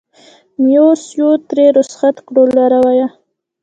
مایوسیو ترې رخصت کړو لارویه